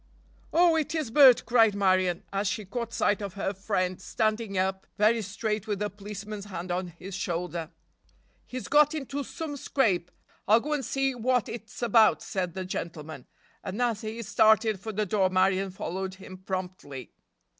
"Oh, it is Bert," cried Marion, as she caught sight of her friend, standing up very straight with a policeman's hand on his shoulder. "He's got into some scrape. I'll go and see what it's about," said the gentleman, and as he started for the door Marion followed him promptly.